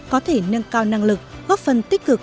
có thể nâng cao năng lực góp phần tích cực